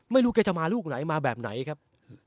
ไม่รู้แกจะมาลูกไหนมาแบบไหนครับ